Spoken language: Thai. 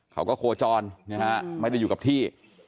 เขาก็โคจรไม่ได้อยู่กับที่